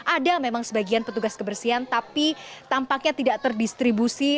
ada memang sebagian petugas kebersihan tapi tampaknya tidak terdistribusi